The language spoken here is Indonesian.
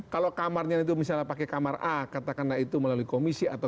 kalau kamarnya itu misalnya pakai kamar a katakanlah itu melalui komisi atau